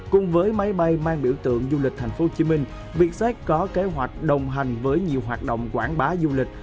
cùng với máy bay mang biểu tượng du lịch tp hcm vietjet có kế hoạch đồng hành với nhiều hoạt động quảng bá du lịch